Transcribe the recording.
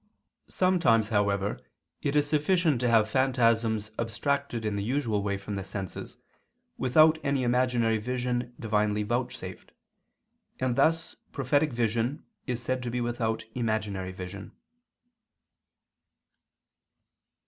Sometimes, however, it is sufficient to have phantasms abstracted in the usual way from the senses without any imaginary vision divinely vouchsafed, and thus prophetic vision is said to be without imaginary vision.